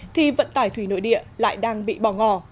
thì vận tải thủy nội địa lại đang bị bỏ ngò